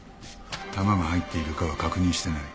弾が入っているかは確認してない。